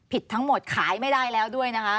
ผิดทั้งหมดขายไม่ได้แล้วด้วยนะคะ